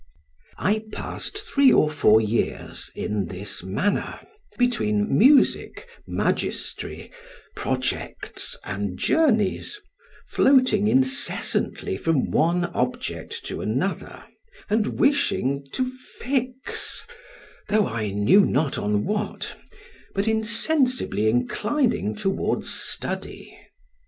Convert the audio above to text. I passed three or four years in this manner, between music, magestry, projects, and journeys, floating incessantly from one object to another, and wishing to fix though I knew not on what, but insensibly inclining towards study.